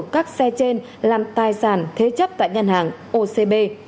các xe trên làm tài sản thế chấp tại ngân hàng ocb